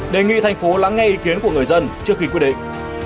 đề nghị thành phố lắng nghe ý kiến của người dân trước khi quyết định